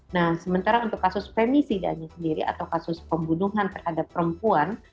nah sementara untuk kasus femisidani sendiri atau kasus pembunuhan terhadap perempuan